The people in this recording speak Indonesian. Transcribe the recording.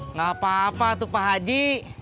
nggak apa apa tuh pak aji